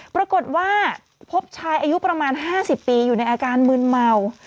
ปรากฏว่าพบชายอายุประมาณ๕๐ปีอยู่ในอาการมืนเมา